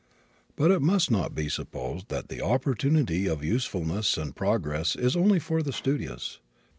But it must not be supposed that the opportunity of usefulness and progress is only for the studious.